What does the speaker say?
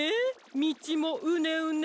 みちもうねうね。